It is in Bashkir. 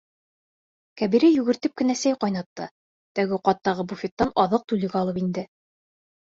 Кәбирә йүгертеп кенә сәй ҡайнатты, тәүге ҡаттағы буфеттан аҙыҡ-түлек алып инде.